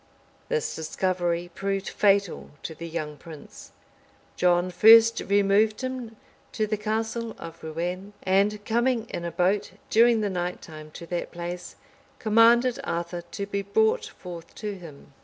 This discovery proved fatal to the young prince: John first removed him to the castle of Rouen; and coming in a boat, during the night time, to that place, commanded Arthur to be brought forth to him.